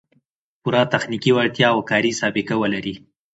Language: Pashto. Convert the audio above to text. پوره تخنیکي وړتیا او کاري سابقه و لري